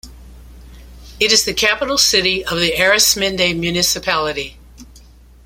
It is the capital city of the Arismendi municipality.